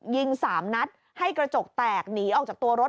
ยิง๓นัดให้กระจกแตกหนีออกจากตัวรถ